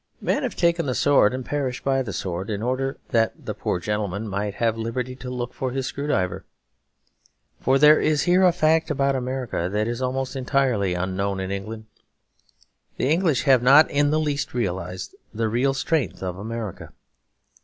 Men have taken the sword and perished by the sword in order that the poor gentleman might have liberty to look for his screw driver. For there is here a fact about America that is almost entirely unknown in England. The English have not in the least realised the real strength of America.